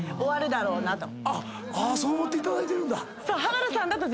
そう思っていただいてるんだ。